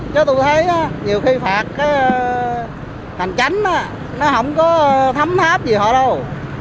chứ tôi thấy nhiều khi phạt hành chánh nó không có thấm pháp gì họ đâu